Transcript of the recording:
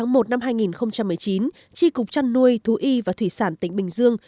ngày ba một hai nghìn một mươi chín tri cục chăn nuôi thú y và thủy sản tỉnh bình dương